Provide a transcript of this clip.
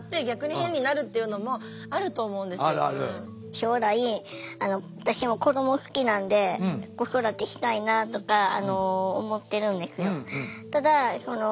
将来私も子ども好きなんで子育てしたいなとか思ってるんですよ。